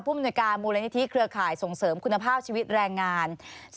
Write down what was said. มนุยการมูลนิธิเครือข่ายส่งเสริมคุณภาพชีวิตแรงงาน